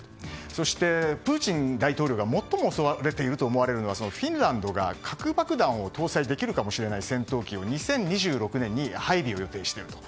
そして、プーチン大統領が最も恐れていると思われるのはフィンランドが核爆弾を搭載できるかもしれない戦闘機を２０２６年に配備を予定していると。